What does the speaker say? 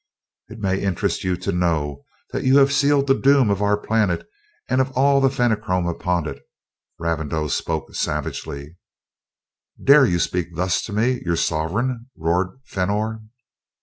"It may interest you to know that you have sealed the doom of our planet and of all the Fenachrone upon it," Ravindau spoke savagely. "Dare you speak thus to me, your sovereign?" roared Fenor.